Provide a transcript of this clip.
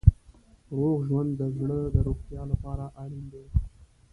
روغ ژوند د زړه د روغتیا لپاره اړین دی.